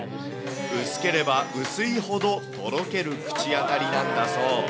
薄ければ薄いほど、とろける口当たりなんだそう。